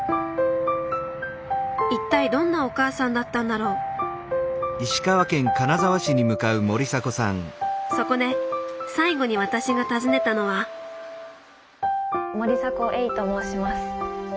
一体どんなお母さんだったんだろうそこで最後に私が訪ねたのは森迫永依と申します。